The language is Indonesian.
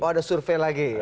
oh ada survei lagi